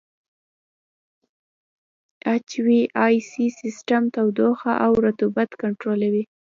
اچ وي اې سي سیسټم تودوخه او رطوبت کنټرولوي.